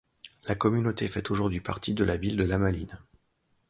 La communauté fait aujourd'hui partie de la ville de Lamaline.